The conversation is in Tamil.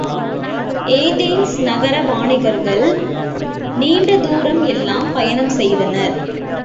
ஏதென்ஸ் நகர வாணிகர்கள் நீண்டதுாரம் எல்லாம் பயணம் செய்தனர்.